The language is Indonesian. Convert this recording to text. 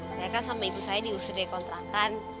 sebenernya sama ibu saya diusir di kontrakan